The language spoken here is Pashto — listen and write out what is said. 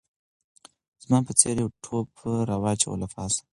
زما په څېر یو ټوپ راواچاوه له پاسه